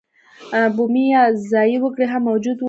بومي یا ځايي وګړي هم موجود وو.